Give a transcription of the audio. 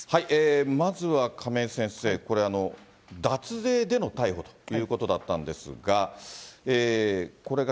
まずは亀井先生、これ、脱税での逮捕ということだったんですが、これが